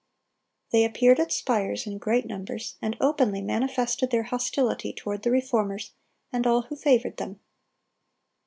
They appeared at Spires in great numbers, and openly manifested their hostility toward the Reformers and all who favored them.